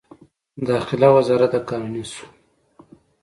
داخله وزارت د قانوني شو.